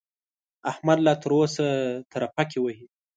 احمد لا تر اوسه ترپکې وهي.